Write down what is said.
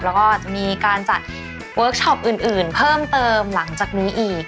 แล้วก็จะมีการจัดเวิร์คชอปอื่นเพิ่มเติมหลังจากนี้อีก